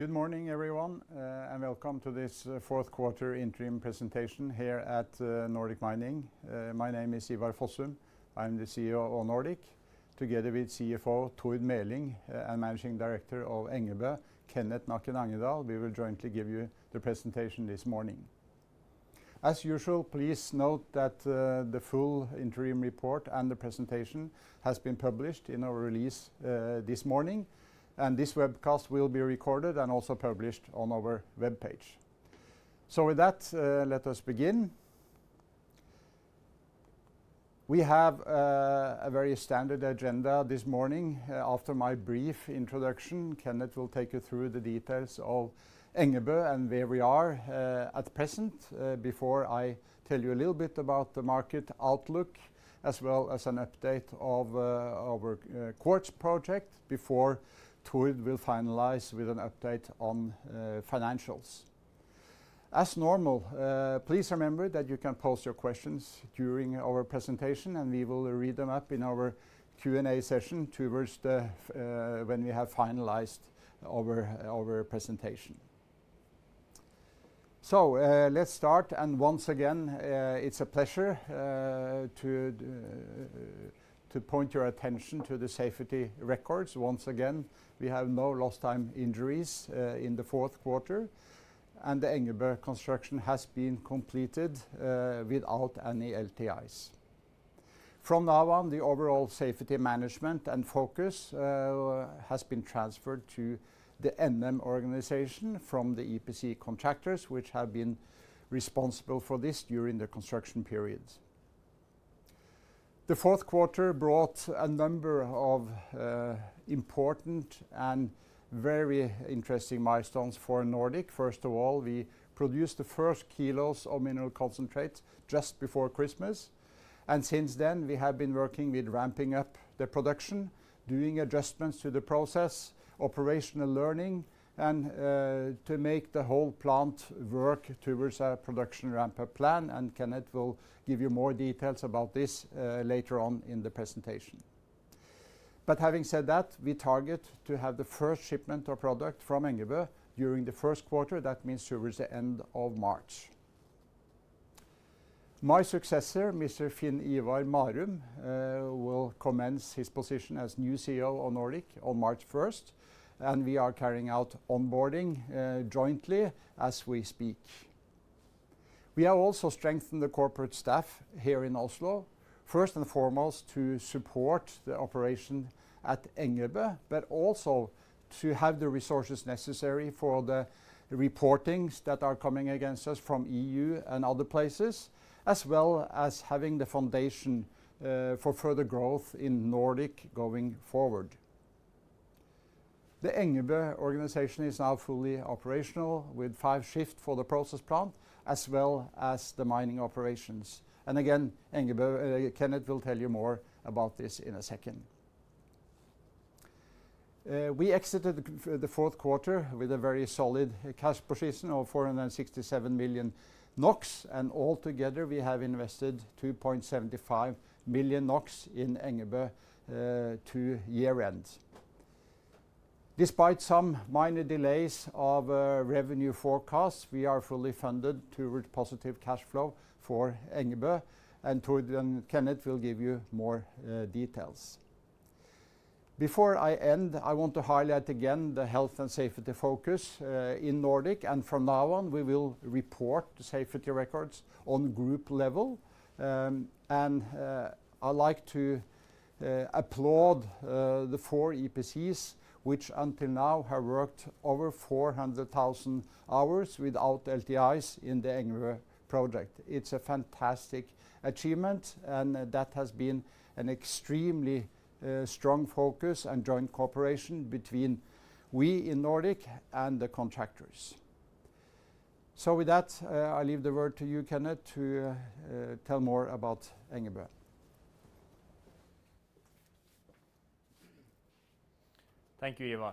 Good morning, everyone, and welcome to this Fourth Quarter Interim Presentation here at Nordic Mining. My name is Ivar Fossum. I'm the CEO of Nordic, together with CFO Tord Meling and Managing Director of Engebø, Kenneth Nakken Angedal. We will jointly give you the presentation this morning. As usual, please note that the full interim report and the presentation have been published in our release this morning, and this webcast will be recorded and also published on our web page. Let us begin. We have a very standard agenda this morning. After my brief introduction, Kenneth will take you through the details of Engebø and where we are at present. Before I tell you a little bit about the market outlook, as well as an update of our quartz project, before Tord will finalize with an update on financials. As normal, please remember that you can post your questions during our presentation, and we will read them up in our Q&A session towards when we have finalized our presentation. Let's start. Once again, it's a pleasure to point your attention to the safety records. Once again, we have no lost-time injuries in the fourth quarter, and the Engebø construction has been completed without any LTIs. From now on, the overall safety management and focus has been transferred to the Nordic Mining organization from the EPC contractors, which have been responsible for this during the construction period. The fourth quarter brought a number of important and very interesting milestones for Nordic Mining. First of all, we produced the first kilos of mineral concentrate just before Christmas. Since then, we have been working with ramping up the production, doing adjustments to the process, operational learning, and to make the whole plant work towards our production ramp-up plan. Kenneth will give you more details about this later on in the presentation. Having said that, we target to have the first shipment of product from Engebø during the first quarter. That means towards the end of March. My successor, Mr. Finn Ivar Marum, will commence his position as new CEO of Nordic Mining on March 1st, and we are carrying out onboarding jointly as we speak. We have also strengthened the corporate staff here in Oslo, first and foremost to support the operation at Engebø, but also to have the resources necessary for the reportings that are coming against us from the EU and other places, as well as having the foundation for further growth in Nordic Mining going forward. The Engebø organization is now fully operational with five shifts for the process plant, as well as the mining operations. Kenneth will tell you more about this in a second. We exited the fourth quarter with a very solid cash position of 467 million NOK, and altogether we have invested 2.75 billion NOK in Engebø to year-end. Despite some minor delays of revenue forecasts, we are fully funded towards positive cash flow for Engebø, and Tord and Kenneth will give you more details. Before I end, I want to highlight again the health and safety focus in Nordic. From now on, we will report the safety records on group level. I would like to applaud the four EPCs, which until now have worked over 400,000 hours without LTIs in the Engebø Project. It is a fantastic achievement, and that has been an extremely strong focus and joint cooperation between we in Nordic and the contractors. With that, I leave the word to you, Kenneth, to tell more about Engebø. Thank you, Ivar.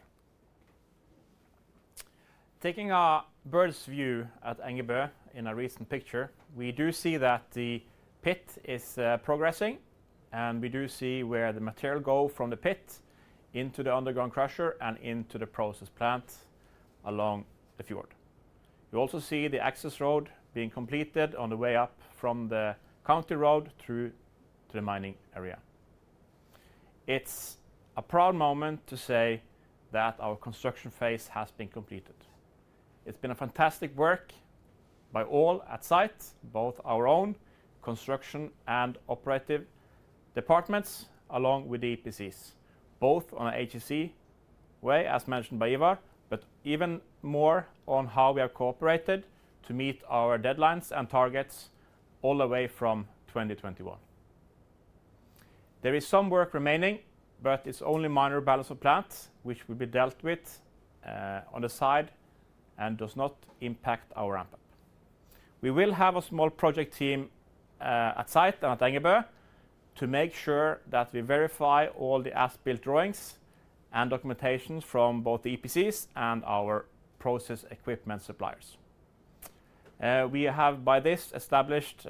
Taking a bird's view at Engebø in a recent picture, we do see that the pit is progressing, and we do see where the material goes from the pit into the underground crusher and into the process plant along the fjord. You also see the access road being completed on the way up from the county road through to the mining area. It's a proud moment to say that our construction phase has been completed. It's been fantastic work by all at site, both our own construction and operative departments, along with the EPCs, both on an HSE way, as mentioned by Ivar, but even more on how we have cooperated to meet our deadlines and targets all the way from 2021. There is some work remaining, but it's only minor balance of plant, which will be dealt with on the side and does not impact our ramp-up. We will have a small project team at site and at Engebø to make sure that we verify all the as-built drawings and documentation from both the EPCs and our process equipment suppliers. We have, by this, established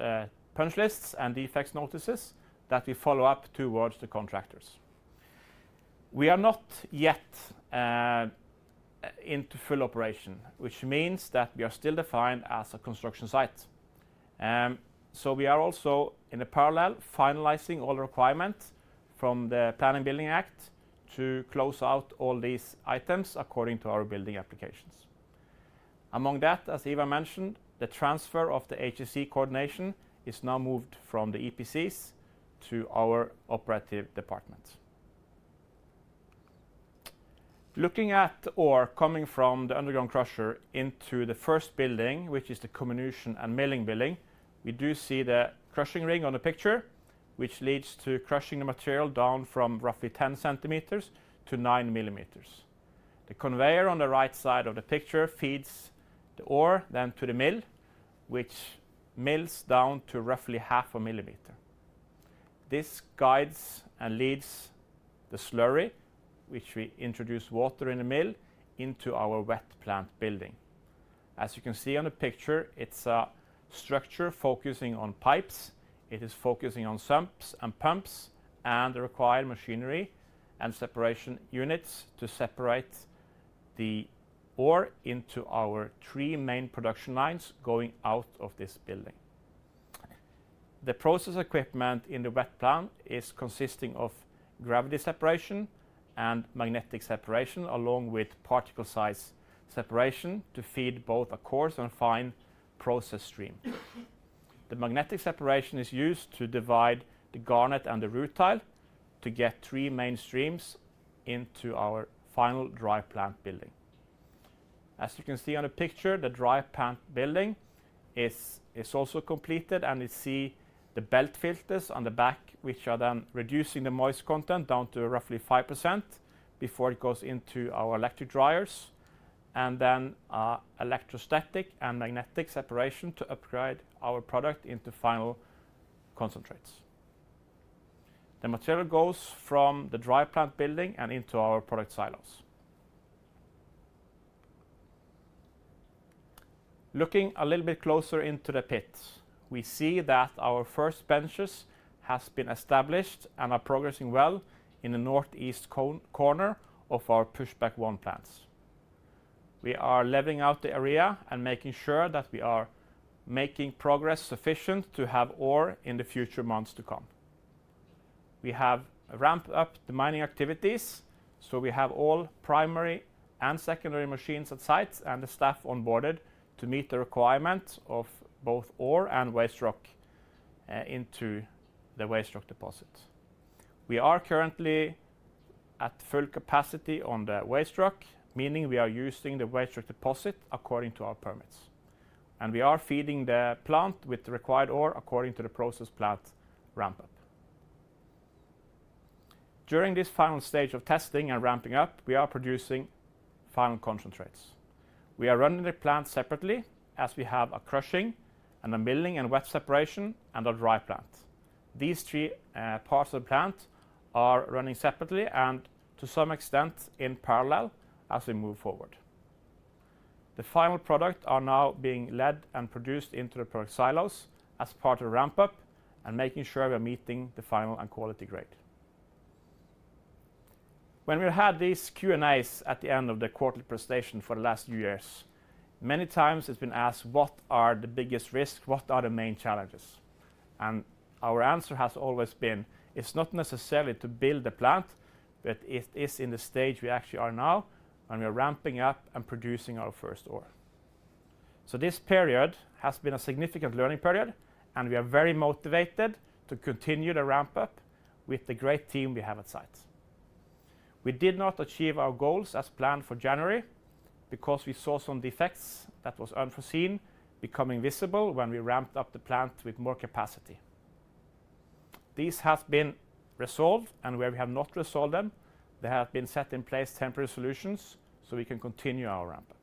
punch lists and defects notices that we follow up towards the contractors. We are not yet into full operation, which means that we are still defined as a construction site. We are also, in parallel, finalizing all requirements from the Planning and Building Act to close out all these items according to our building applications. Among that, as Ivar mentioned, the transfer of the HSE coordination is now moved from the EPCs to our operative department. Looking at ore coming from the underground crusher into the first building, which is the comminution and milling building, we do see the crushing ring on the picture, which leads to crushing the material down from roughly 10 cm to 9 mm. The conveyor on the right side of the picture feeds the ore then to the mill, which mills down to roughly .5 mm. This guides and leads the slurry, which we introduce water in the mill, into our wet plant building. As you can see on the picture, it's a structure focusing on pipes. It is focusing on sumps, pumps, and the required machinery and separation units to separate the ore into our three main production lines going out of this building. The process equipment in the wet plant is consisting of gravity separation and magnetic separation, along with particle size separation to feed both a coarse and fine process stream. The magnetic separation is used to divide the garnet and the rutile to get three main streams into our final dry plant building. As you can see on the picture, the dry plant building is also completed, and you see the belt filters on the back, which are then reducing the moist content down to roughly 5% before it goes into our electric dryers, and then electrostatic and magnetic separation to upgrade our product into final concentrates. The material goes from the dry plant building and into our product silos. Looking a little bit closer into the pits, we see that our first benches have been established and are progressing well in the northeast corner of our Pushback one plants. We are leveling out the area and making sure that we are making progress sufficient to have ore in the future months to come. We have ramped up the mining activities, so we have all primary and secondary machines at sites and the staff onboarded to meet the requirement of both ore and waste rock into the waste rock deposit. We are currently at full capacity on the waste rock, meaning we are using the waste rock deposit according to our permits, and we are feeding the plant with the required ore according to the process plant ramp-up. During this final stage of testing and ramping up, we are producing final concentrates. We are running the plant separately as we have a crushing and a milling and wet separation and a dry plant. These three parts of the plant are running separately and to some extent in parallel as we move forward. The final products are now being led and produced into the product silos as part of the ramp-up and making sure we are meeting the final and quality grade. When we had these Q&A's at the end of the quarterly presentation for the last few years, many times it's been asked, what are the biggest risks? What are the main challenges? Our answer has always been, it's not necessarily to build the plant, but it is in the stage we actually are now when we are ramping up and producing our first ore. This period has been a significant learning period, and we are very motivated to continue the ramp-up with the great team we have at site. We did not achieve our goals as planned for January because we saw some defects that were unforeseen becoming visible when we ramped up the plant with more capacity. These have been resolved, and where we have not resolved them, there have been set in place temporary solutions so we can continue our ramp-up.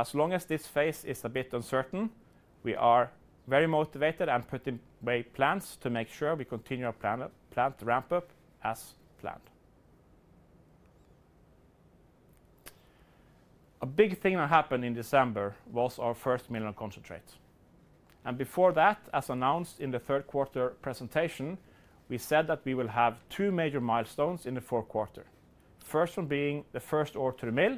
As long as this phase is a bit uncertain, we are very motivated and putting away plans to make sure we continue our plant ramp-up as planned. A big thing that happened in December was our first mineral concentrate. Before that, as announced in the third quarter presentation, we said that we will have two major milestones in the fourth quarter. The first one being the first ore to the mill,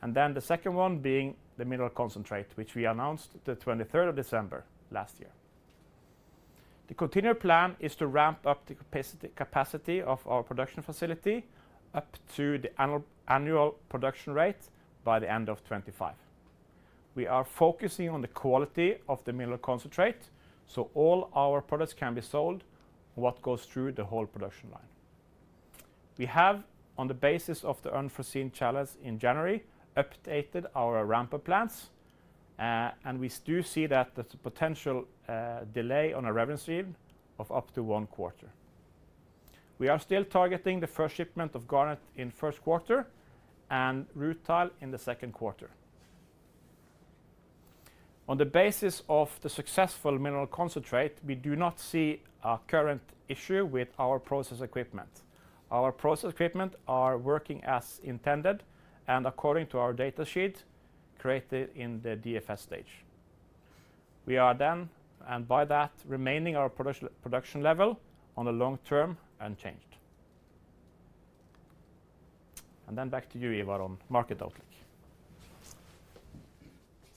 and then the second one being the mineral concentrate, which we announced the 23rd of December last year. The continued plan is to ramp up the capacity of our production facility up to the annual production rate by the end of 2025. We are focusing on the quality of the mineral concentrate so all our products can be sold, what goes through the whole production line. We have, on the basis of the unforeseen challenge in January, updated our ramp-up plans, and we do see that there's a potential delay on our revenue stream of up to one quarter. We are still targeting the first shipment of garnet in the first quarter and rutile in the second quarter. On the basis of the successful mineral concentrate, we do not see a current issue with our process equipment. Our process equipment is working as intended and according to our data sheet created in the DFS stage. We are then, and by that, remaining at our production level on the long term unchanged. Then back to you, Ivar, on market outlook.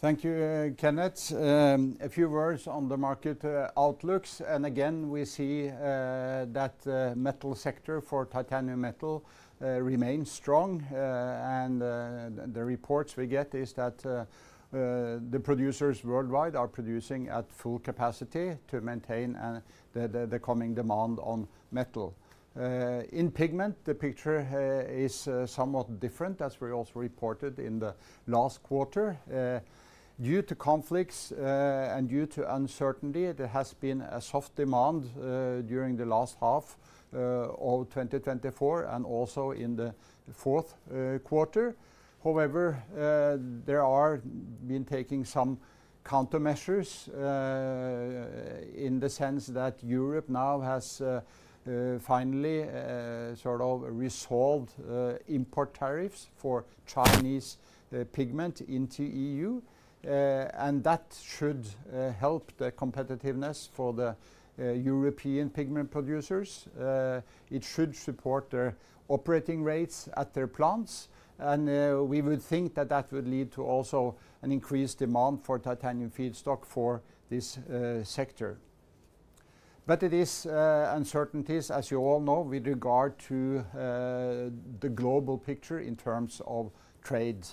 Thank you, Kenneth. A few words on the market outlooks. Again, we see that the metal sector for titanium metal remains strong, and the reports we get are that the producers worldwide are producing at full capacity to maintain the coming demand on metal. In pigment, the picture is somewhat different, as we also reported in the last quarter. Due to conflicts and due to uncertainty, there has been a soft demand during the last half of 2024 and also in the fourth quarter. However, there have been taken some countermeasures in the sense that Europe now has finally sort of resolved import tariffs for Chinese pigment into the EU, and that should help the competitiveness for the European pigment producers. It should support their operating rates at their plants, and we would think that that would lead to also an increased demand for titanium feedstock for this sector. It is uncertainties, as you all know, with regard to the global picture in terms of trade,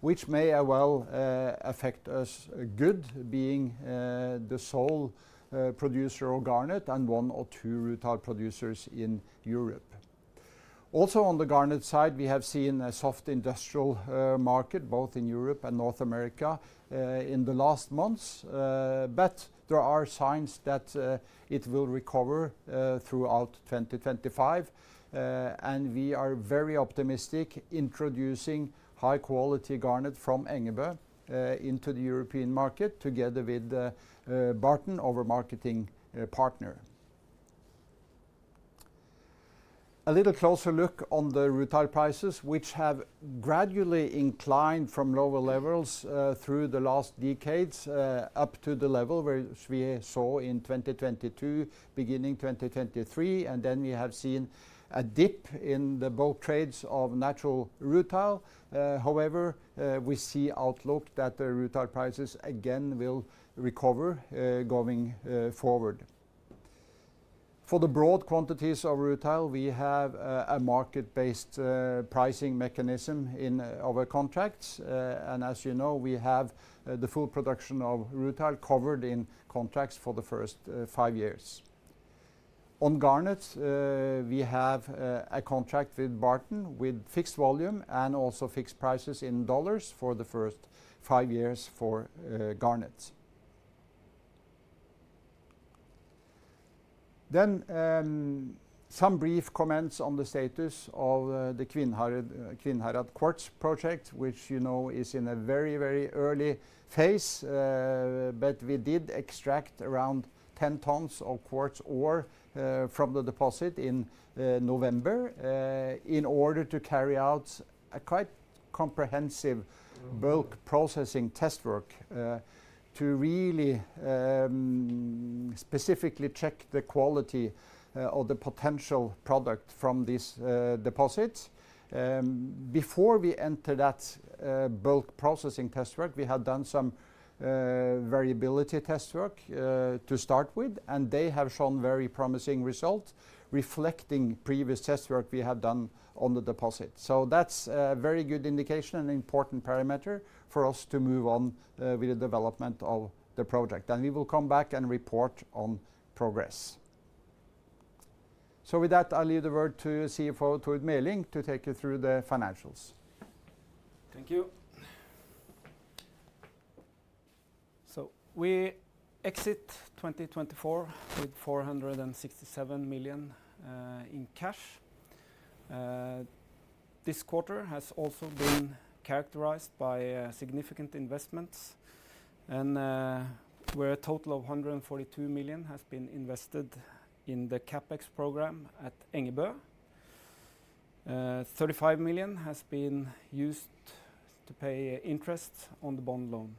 which may as well affect us, good, being the sole producer of garnet and one or two rutile producers in Europe. Also, on the garnet side, we have seen a soft industrial market, both in Europe and North America, in the last months, but there are signs that it will recover throughout 2025, and we are very optimistic in introducing high-quality garnet from Engebø into the European market together with Barton, our marketing partner. A little closer look on the rutile prices, which have gradually inclined from lower levels through the last decades up to the level which we saw in 2022, beginning 2023, and then we have seen a dip in the bulk trades of natural rutile. However, we see outlook that the rutile prices again will recover going forward. For the broad quantities of rutile, we have a market-based pricing mechanism in our contracts, and as you know, we have the full production of rutile covered in contracts for the first five years. On garnet, we have a contract with Barton with fixed volume and also fixed prices in dollars for the first five years for garnet. Some brief comments on the status of the Kvinnherad Quartz Project, which you know is in a very, very early phase, but we did extract around 10 tons of quartz ore from the deposit in November in order to carry out a quite comprehensive bulk processing test work to really specifically check the quality of the potential product from these deposits. Before we entered that bulk processing test work, we had done some variability test work to start with, and they have shown very promising results reflecting previous test work we have done on the deposit. That is a very good indication and important parameter for us to move on with the development of the project, and we will come back and report on progress. With that, I'll leave the word to CFO Tord Meling to take you through the financials. Thank you. We exit 2024 with 467 million in cash. This quarter has also been characterized by significant investments, and where a total of 142 million has been invested in the CapEx program at Engebø, 35 million has been used to pay interest on the bond loan.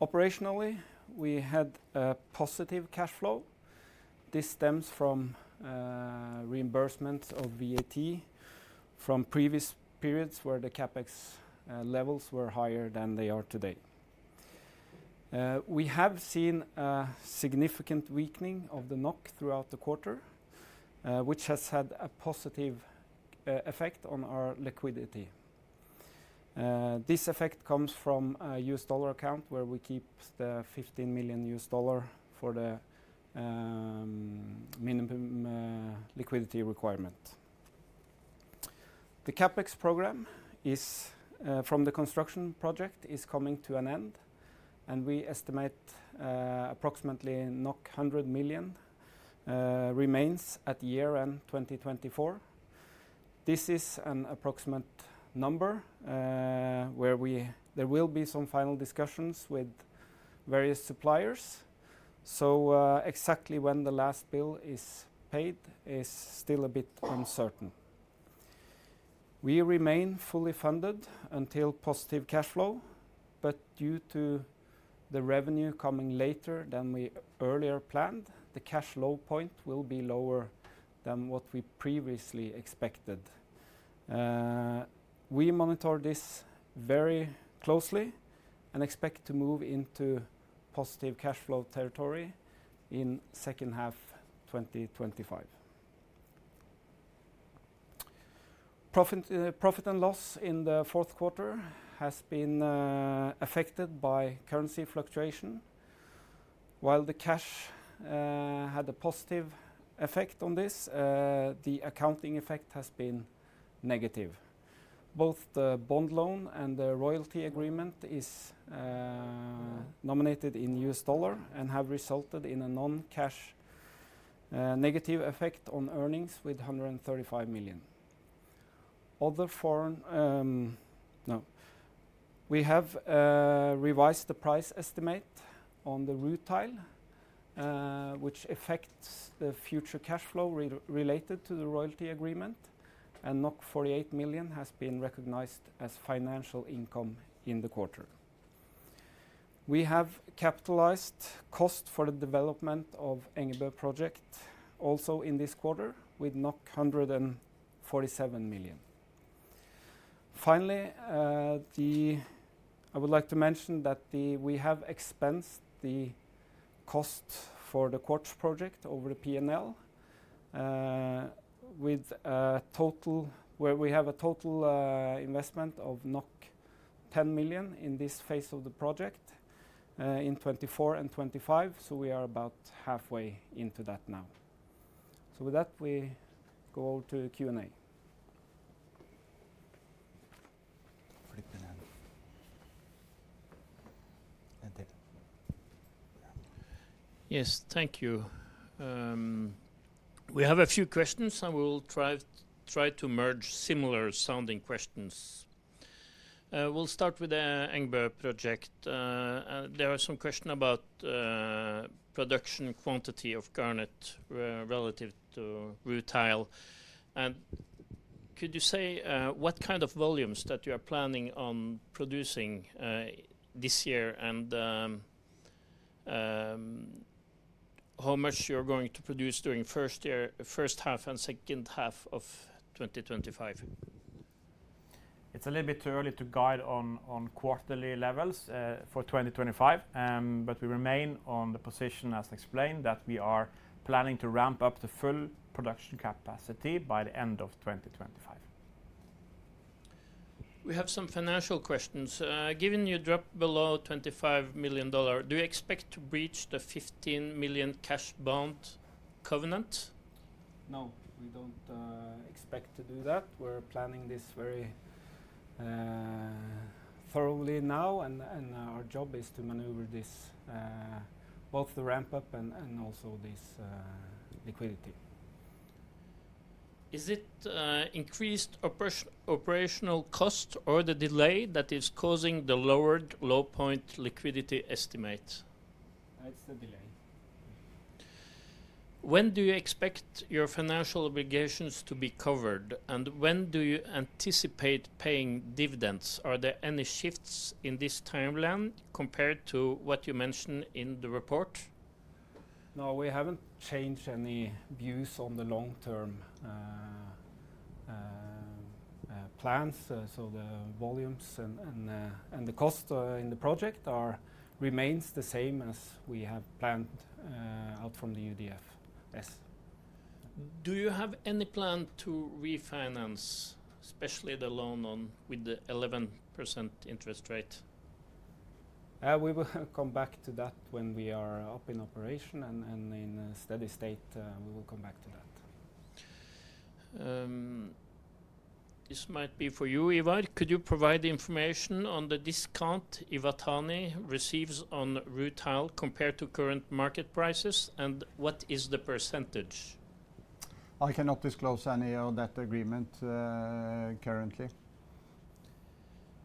Operationally, we had a positive cash flow. This stems from reimbursements of VAT from previous periods where the CapEx levels were higher than they are today. We have seen a significant weakening of the NOK throughout the quarter, which has had a positive effect on our liquidity. This effect comes from a U.S. dollar account where we keep the $15 million for the minimum liquidity requirement. The CapEx program from the construction project is coming to an end, and we estimate approximately NOK 100 million remains at year-end 2024. This is an approximate number where there will be some final discussions with various suppliers, so exactly when the last bill is paid is still a bit uncertain. We remain fully funded until positive cash flow, but due to the revenue coming later than we earlier planned, the cash low point will be lower than what we previously expected. We monitor this very closely and expect to move into positive cash flow territory in the second half of 2025. Profit and loss in the fourth quarter has been affected by currency fluctuation. While the cash had a positive effect on this, the accounting effect has been negative. Both the bond loan and the royalty agreement are nominated in US dollar and have resulted in a non-cash negative effect on earnings with $135 million. We have revised the price estimate on the rutile, which affects the future cash flow related to the royalty agreement, and 48 million has been recognized as financial income in the quarter. We have capitalized cost for the development of the Engebø project also in this quarter with 147 million. Finally, I would like to mention that we have expensed the cost for the quartz project over the P&L with a total where we have a total investment of 10 million in this phase of the project in 2024 and 2025, so we are about halfway into that now. With that, we go over to Q&A. Yes, thank you. We have a few questions, and we'll try to merge similar-sounding questions. We'll start with the Engebø project. There are some questions about the production quantity of garnet relative to rutile. Could you say what kind of volumes that you are planning on producing this year and how much you're going to produce during the first half and second half of 2025? It's a little bit too early to guide on quarterly levels for 2025, but we remain on the position, as explained, that we are planning to ramp up the full production capacity by the end of 2025. We have some financial questions. Given you drop below $25 million, do you expect to breach the $15 million cash bond covenant? No, we don't expect to do that. We're planning this very thoroughly now, and our job is to maneuver both the ramp-up and also this liquidity. Is it increased operational cost or the delay that is causing the lowered low-point liquidity estimate? It's the delay. When do you expect your financial obligations to be covered, and when do you anticipate paying dividends? Are there any shifts in this timeline compared to what you mentioned in the report? No, we haven't changed any views on the long-term plans, so the volumes and the cost in the project remain the same as we have planned out from the DFS. Do you have any plan to refinance, especially the loan with the 11% interest rate? We will come back to that when we are up in operation and in steady state. We will come back to that. This might be for you, Ivar. Could you provide information on the discount Iwatani receives on rutile compared to current market prices, and what is the percentage? I cannot disclose any on that agreement currently.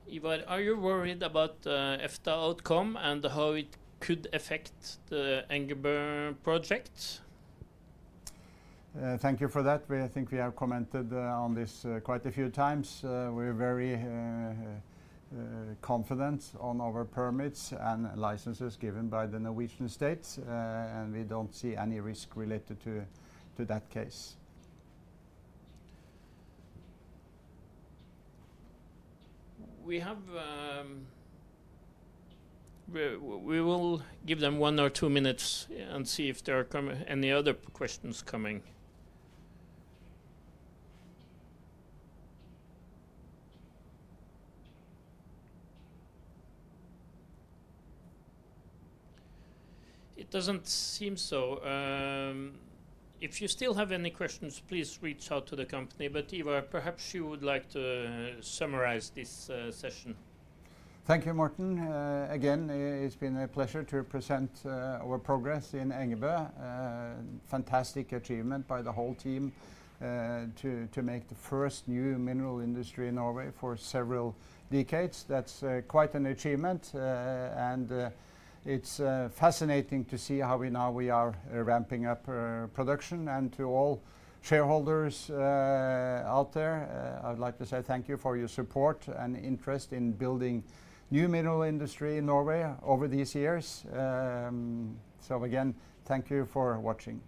Ivar, are you worried about the EFTA outcome and how it could affect the Engebø Project? Thank you for that. I think we have commented on this quite a few times. We're very confident on our permits and licenses given by the Norwegian State, and we don't see any risk related to that case. We will give them one or two minutes and see if there are any other questions coming. It does not seem so. If you still have any questions, please reach out to the company. Ivar, perhaps you would like to summarize this session. Thank you, Marum. Again, it's been a pleasure to present our progress in Engebø. Fantastic achievement by the whole team to make the first new mineral industry in Norway for several decades. That's quite an achievement, and it's fascinating to see how now we are ramping up production. To all shareholders out there, I'd like to say thank you for your support and interest in building a new mineral industry in Norway over these years. Again, thank you for watching.